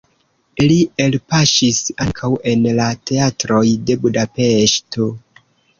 Li elpaŝis ankaŭ en la teatroj de Budapeŝto.